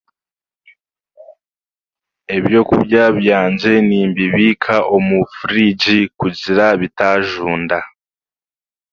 Ebyokurya byangye nimbibiika omu furiigi kugira bitaajunda